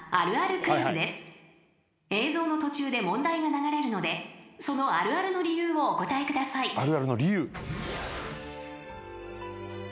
［映像の途中で問題が流れるのでそのあるあるの理由をお答えください］